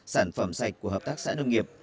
sản phẩm sạch của hợp tác xã nông nghiệp